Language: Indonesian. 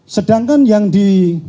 sedangkan yang di